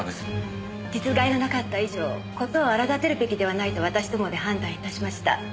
実害がなかった以上事を荒立てるべきではないと私どもで判断いたしました。